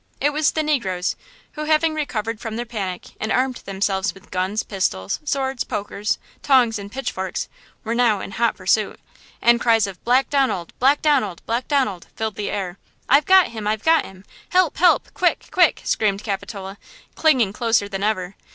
It was the negroes, who, having recovered from their panic, and armed themselves with guns, pistols, swords, pokers, tongs and pitchforks, were now in hot pursuit! And cries of "Black Donald! Black Donald! Black Donald!" filled the air. "I've got him! I've got him! help! help! quick! quick!" screamed Capitola, clinging closer than ever.